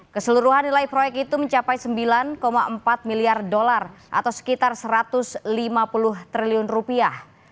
keseluruhan nilai proyek itu mencapai sembilan empat miliar dolar atau sekitar satu ratus lima puluh triliun rupiah